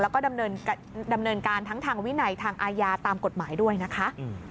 แล้วก็ดำเนินการทั้งทางวินัยทางอาญาตามกฎหมายด้วยนะคะ